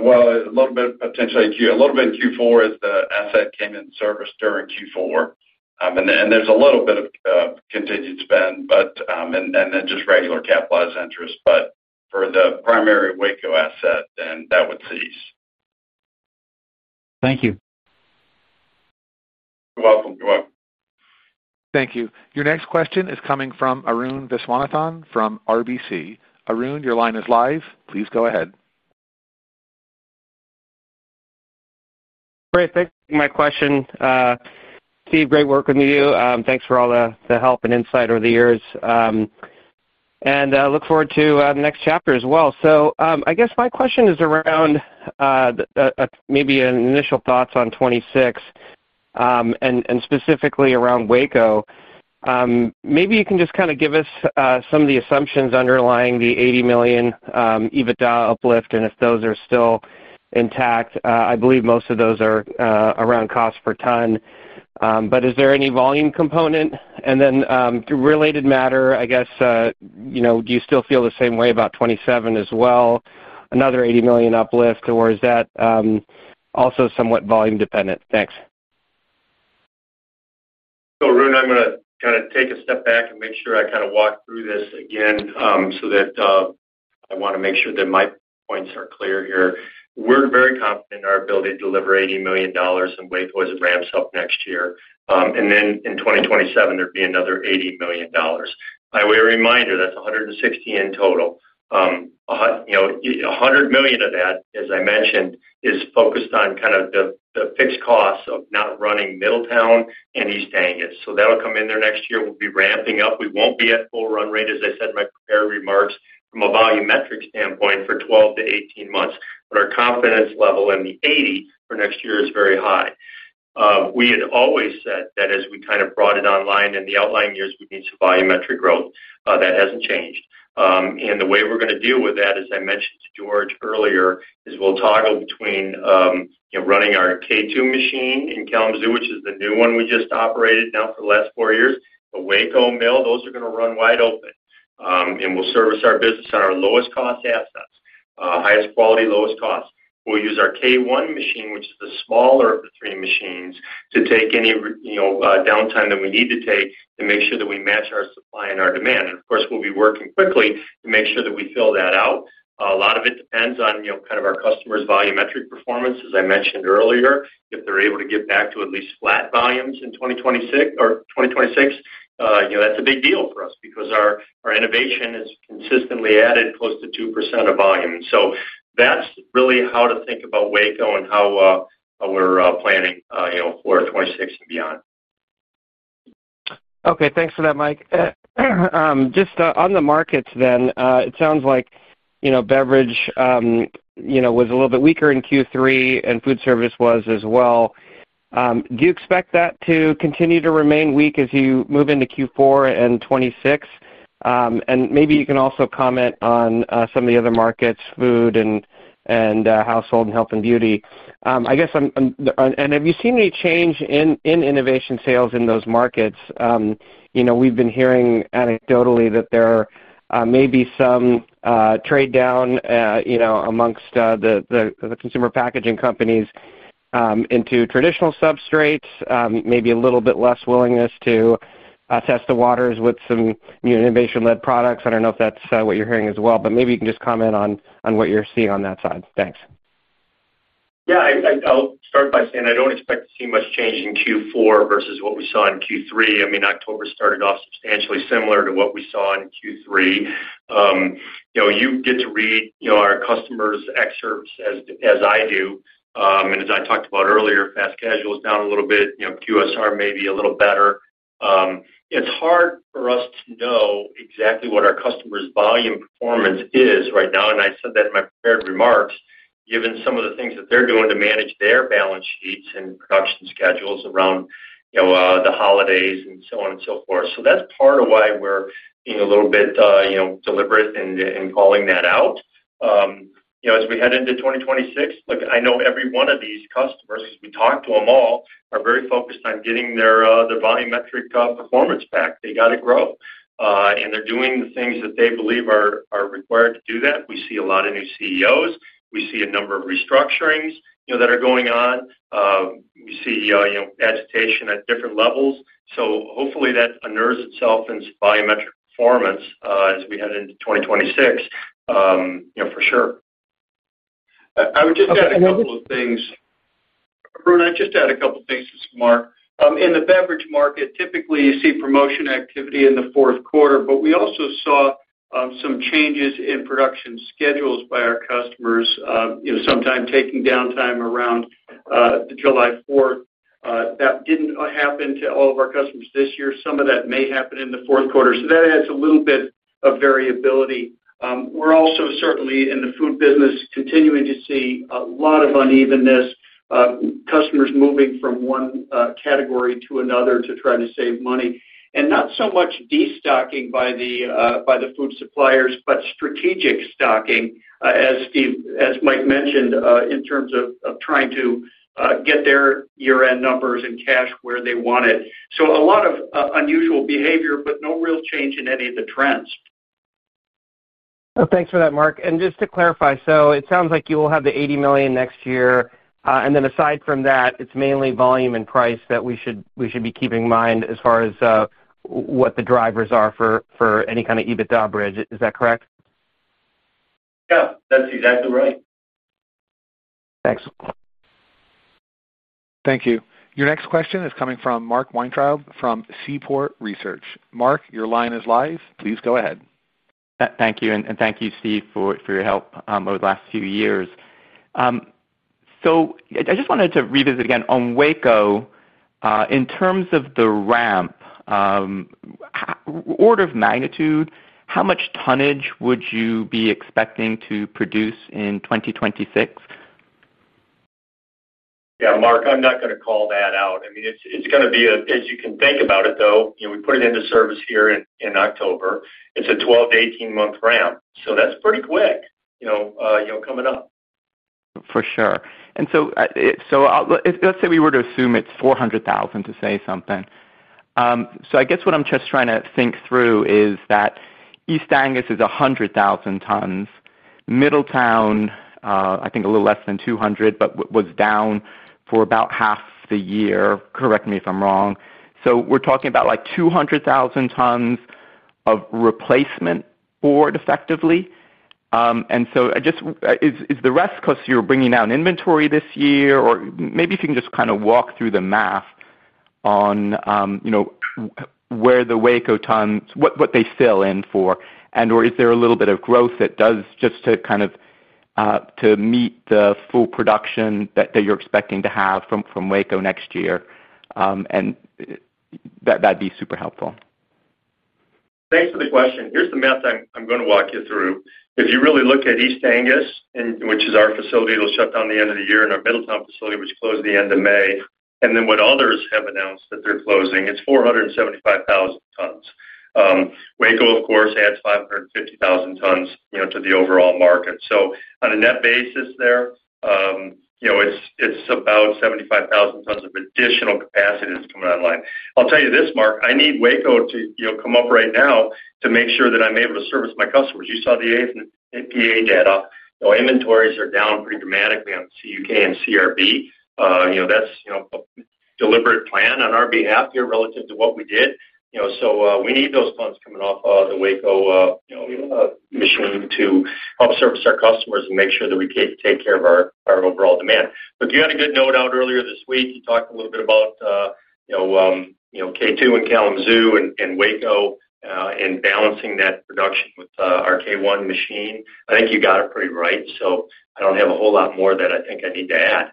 Well, a little bit of potentially a little bit in Q4 as the asset came into service during Q4. And there's a little bit of continued spend, and then just regular capitalized interest. But for the primary Waco asset, then that would cease. Thank you. You're welcome. You're welcome. Thank you. Your next question is coming from Arun Viswanathan from RBC. Arun, your line is live. Please go ahead. Great. Thank you for my question. Steve, great working with you. Thanks for all the help and insight over the years. And I look forward to the next chapter as well. So I guess my question is around. Maybe initial thoughts on 2026. And specifically around Waco. Maybe you can just kind of give us some of the assumptions underlying the $80 million EBITDA uplift, and if those are still. Intact. I believe most of those are around cost per ton. But is there any volume component? And then related matter, I guess. Do you still feel the same way about 2027 as well, another $80 million uplift, or is that. Also somewhat volume-dependent? Thanks. So Arun, I'm going to kind of take a step back and make sure I kind of walk through this again so that. I want to make sure that my points are clear here. We're very confident in our ability to deliver $80 million when Waco is ramped up next year. And then in 2027, there'd be another $80 million. By way of reminder, that's $160 million in total. $100 million of that, as I mentioned, is focused on kind of the fixed costs of not running Middletown and East Angus. So that'll come in there next year. We'll be ramping up. We won't be at full run rate, as I said in my prepared remarks, from a volumetric standpoint for 12-18 months. But our confidence level in the $80 million for next year is very high. We had always said that as we kind of brought it online in the outlying years, we'd need some volumetric growth. That hasn't changed. And the way we're going to deal with that, as I mentioned to George earlier, is we'll toggle between. Running our K2 machine in Kalamazoo, which is the new one we just operated now for the last 4 years, the Waco mill. Those are going to run wide open. And we'll service our business on our lowest cost assets, highest quality, lowest cost. We'll use our K1 machine, which is the smaller of the three machines, to take any. Downtime that we need to take to make sure that we match our supply and our demand. And of course, we'll be working quickly to make sure that we fill that out. A lot of it depends on kind of our customers' volumetric performance, as I mentioned earlier. If they're able to get back to at least flat volumes in 2026. That's a big deal for us because our innovation is consistently added close to 2% of volume. So that's really how to think about Waco and how. We're planning for 2026 and beyond. Okay. Thanks for that, Mike. Just on the markets then, it sounds like beverage was a little bit weaker in Q3, and food service was as well. Do you expect that to continue to remain weak as you move into Q4 and 2026? And maybe you can also comment on some of the other markets, food and household and health and beauty. I guess, and have you seen any change in innovation sales in those markets? We've been hearing anecdotally that there may be some trade down amongst the consumer packaging companies. Into traditional substrates, maybe a little bit less willingness to. Test the waters with some innovation-led products. I don't know if that's what you're hearing as well. But maybe you can just comment on what you're seeing on that side. Thanks. Yeah. I'll start by saying I don't expect to see much change in Q4 versus what we saw in Q3. I mean, October started off substantially similar to what we saw in Q3. You get to read our customers' excerpts as I do. And as I talked about earlier, fast casual is down a little bit. QSR may be a little better. It's hard for us to know exactly what our customers' volume performance is right now. And I said that in my prepared remarks, given some of the things that they're doing to manage their balance sheets and production schedules around. The holidays and so on and so forth. So that's part of why we're being a little bit deliberate in calling that out. As we head into 2026, look, I know every one of these customers, because we talked to them all, are very focused on getting their volumetric performance back. They got to grow. And they're doing the things that they believe are required to do that. We see a lot of new CEOs. We see a number of restructurings that are going on. We see agitation at different levels. So hopefully, that unnerves itself in volumetric performance as we head into 2026. For sure. I would just add a couple of things. Arun, I just add a couple of things to Mark. In the beverage market, typically, you see promotion activity in the fourth quarter. But we also saw some changes in production schedules by our customers, sometimes taking downtime around July 4th. That didn't happen to all of our customers this year. Some of that may happen in the fourth quarter. So that adds a little bit of variability. We're also certainly, in the food business, continuing to see a lot of unevenness. Customers moving from one category to another to try to save money. And not so much destocking by the food suppliers, but strategic stocking, as Mike mentioned, in terms of trying to get their year-end numbers and cash where they want it. So a lot of unusual behavior, but no real change in any of the trends. Thanks for that, Mark. And just to clarify, so it sounds like you will have the $80 million next year. And then aside from that, it's mainly volume and price that we should be keeping in mind as far as what the drivers are for any kind of EBITDA bridge. Is that correct? Yeah. That's exactly right. Thanks. Thank you. Your next question is coming from Mark Weintraub from Seaport Research. Mark, your line is live. Please go ahead. Thank you. And thank you, Steve, for your help over the last few years. So I just wanted to revisit again on Waco. In terms of the ramp. Order of magnitude, how much tonnage would you be expecting to produce in 2026? Yeah. Mark, I'm not going to call that out. I mean, it's going to be a, as you can think about it, though, we put it into service here in October. It's a 12- to 18-month ramp. So that's pretty quick. Coming up. For sure. And so. Let's say we were to assume it's 400,000 to say something. So I guess what I'm just trying to think through is that East Angus is 100,000 tons. Middletown. I think a little less than 200,000, but was down for about half the year. Correct me if I'm wrong. So we're talking about like 200,000 tons of replacement board, effectively. And so is the rest because you're bringing down inventory this year? Or maybe if you can just kind of walk through the math on where the Waco tons, what they fill in for, and/or is there a little bit of growth that does just to kind of meet the full production that you're expecting to have from Waco next year? And. That'd be super helpful. Thanks for the question. Here's the math I'm going to walk you through. If you really look at East Angus, which is our facility, it'll shut down the end of the year, and our Middletown facility, which closed the end of May. And then what others have announced that they're closing, it's 475,000 tons. Waco, of course, adds 550,000 tons to the overall market. So on a net basis there. It's about 75,000 tons of additional capacity that's coming online. I'll tell you this, Mark, I need Waco to come up right now to make sure that I'm able to service my customers. You saw the APA data. Inventories are down pretty dramatically on CUK and CRB. That's a deliberate plan on our behalf here relative to what we did. So we need those tons coming off the Waco machine to help service our customers and make sure that we take care of our overall demand. But you had a good note out earlier this week. You talked a little bit about K2 and Kalamazoo and Waco and balancing that production with our K1 machine. I think you got it pretty right. So I don't have a whole lot more that I think I need to add.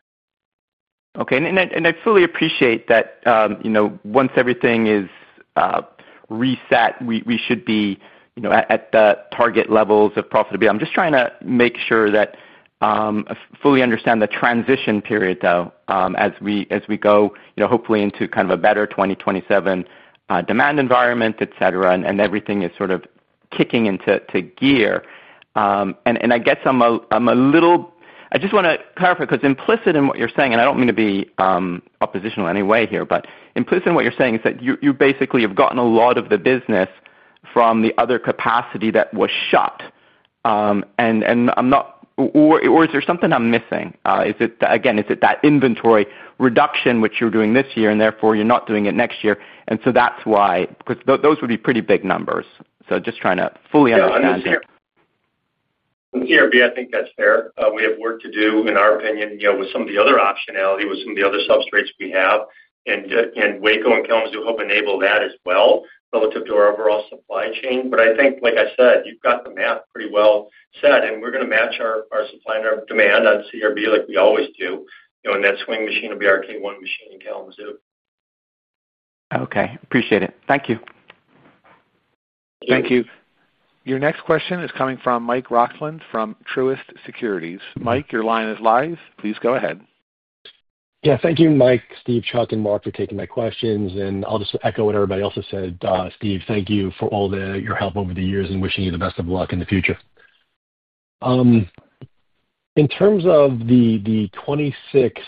Okay. And I fully appreciate that. Once everything is reset, we should be at the target levels of profitability. I'm just trying to make sure that I fully understand the transition period, though, as we go, hopefully, into kind of a better 2027 demand environment, etc., and everything is sort of kicking into gear. And I guess I'm a little. I just want to clarify because implicit in what you're saying, and I don't mean to be oppositional in any way here, but implicit in what you're saying is that you basically have gotten a lot of the business from the other capacity that was shut. And or is there something I'm missing? Again, is it that inventory reduction, which you're doing this year, and therefore you're not doing it next year? And so that's why, because those would be pretty big numbers. So just trying to fully understand. In CRB, I think that's fair. We have work to do, in our opinion, with some of the other optionality, with some of the other substrates we have. And Waco and Kalamazoo help enable that as well relative to our overall supply chain. But I think, like I said, you've got the math pretty well said. And we're going to match our supply and our demand on CRB like we always do. And that swing machine will be our K1 machine in Kalamazoo. Okay. Appreciate it. Thank you. Thank you. Your next question is coming from Mike Roxland from Truist Securities. Mike, your line is live. Please go ahead. Yeah. Thank you, Mike, Steve, Chuck, and Mark for taking my questions. And I'll just echo what everybody else has said. Steve, thank you for all your help over the years and wishing you the best of luck in the future. In terms of the 2026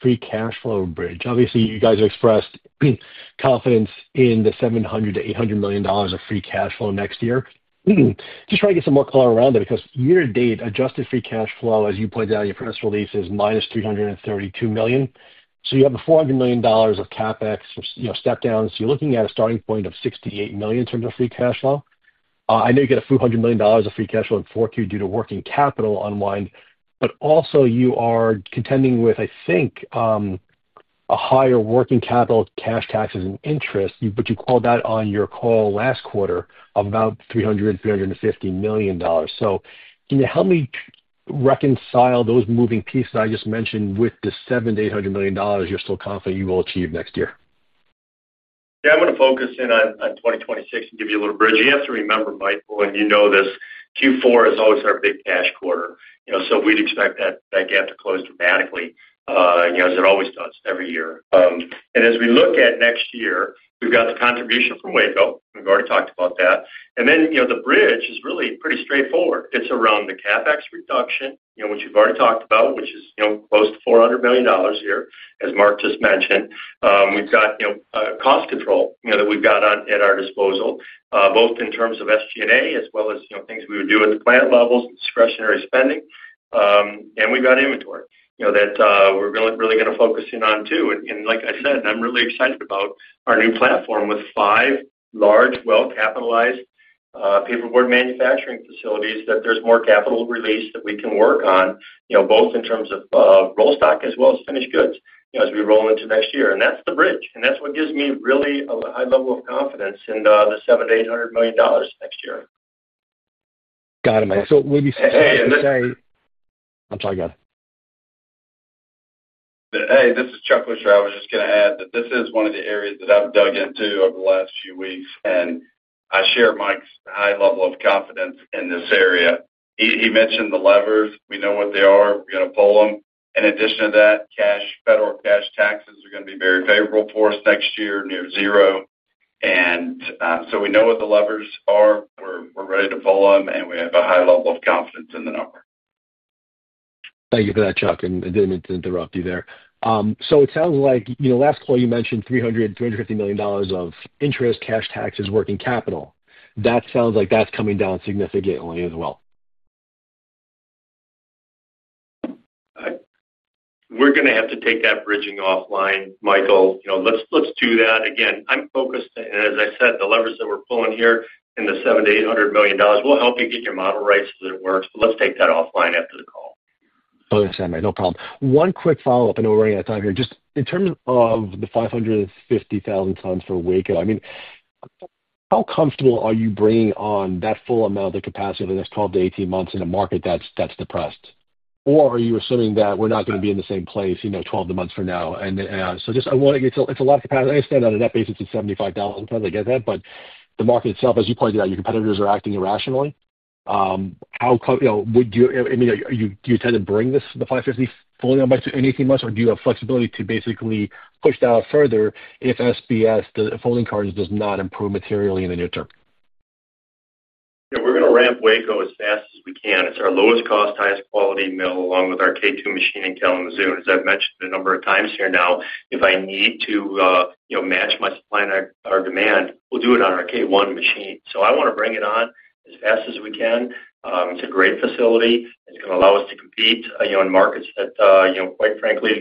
free cash flow bridge, obviously, you guys have expressed confidence in the $700 million-$800 million of free cash flow next year. Just trying to get some more color around it because year-to-date adjusted free cash flow, as you pointed out in your press release, is -$332 million. So you have a $400 million of CapEx step-down. So you're looking at a starting point of $68 million in terms of free cash flow. I know you get a $400 million of free cash flow in fourth quarter due to working capital unwind. But also, you are contending with, I think, a higher working capital, cash taxes, and interest, but you called that on your call last quarter of about $300 million-$350 million. So can you help me reconcile those moving pieces I just mentioned with the $700 million-$800 million you're still confident you will achieve next year? Yeah.I'm going to focus in on 2026 and give you a little bridge. You have to remember, Michael, and you know this, Q4 has always been our big cash quarter. So we'd expect that gap to close dramatically, as it always does every year. And as we look at next year, we've got the contribution from Waco. We've already talked about that. And then the bridge is really pretty straightforward. It's around the CapEx reduction, which we've already talked about, which is close to $400 million here, as Mark just mentioned. We've got cost control that we've got at our disposal, both in terms of SG&A as well as things we would do at the plant levels and discretionary spending. And we've got inventory that we're really going to focus in on too. And like I said, I'm really excited about our new platform with five large well-capitalized paperboard manufacturing facilities that there's more capital release that we can work on, both in terms of roll stock as well as finished goods as we roll into next year. And that's the bridge. And that's what gives me really a high level of confidence in the $700 million-$800 million next year. Got it, Mike. So will you say— I'm sorry, go ahead. Hey, this is Chuck Leisher. I was just going to add that this is one of the areas that I've dug into over the last few weeks. And I share Mike's high level of confidence in this area. He mentioned the levers. We know what they are. We're going to pull them. In addition to that, federal cash taxes are going to be very favorable for us next year, near zero. And so we know what the levers are. We're ready to pull them. And we have a high level of confidence in the number. Thank you for that, Chuck. And I didn't mean to interrupt you there. So it sounds like last call, you mentioned $300 million-$350 million of interest, cash taxes, working capital. That sounds like that's coming down significantly as well. We're going to have to take that bridging offline, Michael. Let's do that. Again, I'm focused. And as I said, the levers that we're pulling here in the $700 million-$800 million will help you get your model right so that it works. But let's take that offline after the call. Understand, Mike. No problem. One quick follow-up. I know we're running out of time here. Just in terms of the 550,000 tons for Waco, I mean. How comfortable are you bringing on that full amount of the capacity that's 12-18 months in a market that's depressed? Or are you assuming that we're not going to be in the same place 12 months from now? And so just I want to get—it's a lot of capacity. I understand on a net basis, it's $75,000. It sounds like it's that. But the market itself, as you pointed out, your competitors are acting irrationally. How comfortable would you—I mean, do you tend to bring the 550 fully online to 18 months? Or do you have flexibility to basically push that out further if SBS, the folding cartons, does not improve materially in the near term? Yeah. We're going to ramp Waco as fast as we can. It's our lowest cost, highest quality mill, along with our K2 machine in Kalamazoo. And as I've mentioned a number of times here now, if I need to. Match my supply and our demand, we'll do it on our K1 machine. So I want to bring it on as fast as we can. It's a great facility. It's going to allow us to compete in markets that, quite frankly,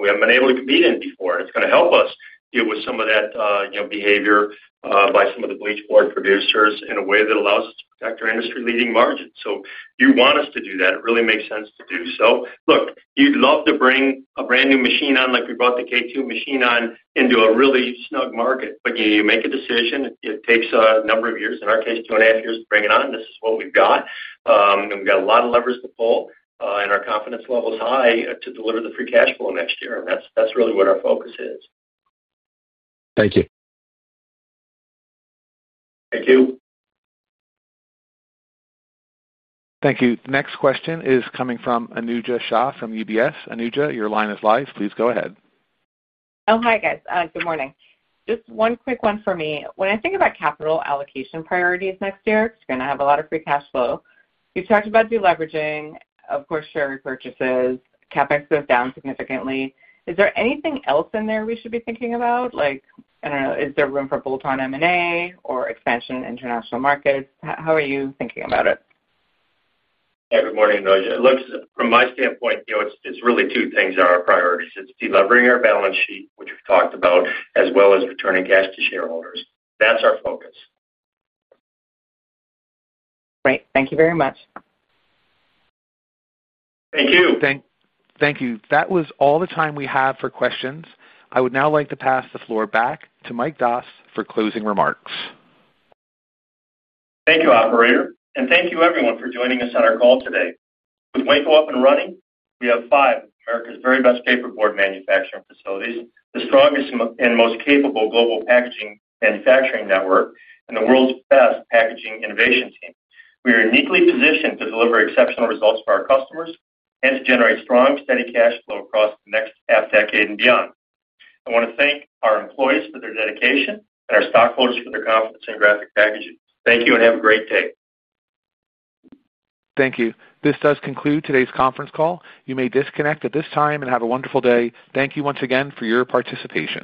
we haven't been able to compete in before. And it's going to help us deal with some of that behavior by some of the bleached board producers in a way that allows us to protect our industry leading margin. So you want us to do that. It really makes sense to do so. Look, you'd love to bring a brand new machine on, like we brought the K2 machine on, into a really snug market. But you make a decision. It takes a number of years, in our case, 2.5 years, to bring it on. This is what we've got. And we've got a lot of levers to pull. And our confidence level is high to deliver the free cash flow next year. And that's really what our focus is. Thank you. Thank you. Thank you. The next question is coming from Anojja Shah from UBS. Anojja, your line is live. Please go ahead. Oh, hi, guys. Good morning. Just one quick one for me. When I think about capital allocation priorities next year, it's going to have a lot of free cash flow. You talked about deleveraging, of course, share repurchases. CapEx goes down significantly. Is there anything else in there we should be thinking about? I don't know. Is there room for bolt-on M&A or expansion in international markets? How are you thinking about it? Yeah. Good morning, Anojja. Look, from my standpoint, it's really two things that are our priorities. It's delivering our balance sheet, which we've talked about, as well as returning cash to shareholders. That's our focus. Great. Thank you very much. Thank you. Thank you. That was all the time we have for questions. I would now like to pass the floor back to Mike Doss for closing remarks. Thank you, operator. And thank you, everyone, for joining us on our call today. With Waco up and running, we have five of America's very best paperboard manufacturing facilities, the strongest and most capable global packaging manufacturing network, and the world's best packaging innovation team. We are uniquely positioned to deliver exceptional results for our customers and to generate strong, steady cash flow across the next half-decade and beyond. I want to thank our employees for their dedication and our stockholders for their confidence in Graphic Packaging. Thank you and have a great day. Thank you. This does conclude today's conference call. You may disconnect at this time and have a wonderful day. Thank you once again for your participation.